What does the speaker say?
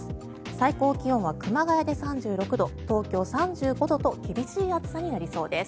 最高気温は熊谷で３６度東京３５度と厳しい暑さになりそうです。